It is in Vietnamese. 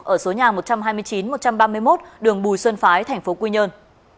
ở số nhà một trăm hai mươi chín một trăm ba mươi một đường bùi xuân phái thành phố quy nhơn